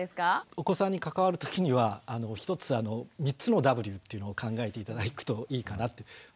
お子さんに関わるときにはひとつ３つのＷというのを考えて頂くといいかなって。